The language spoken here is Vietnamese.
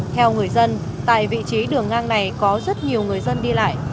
theo người dân tại vị trí đường ngang này có rất nhiều người dân đi lại